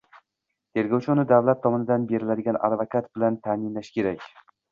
– tergovchi uni davlat tomonidan beriladigan advokat bilan ta’minlashi kerak.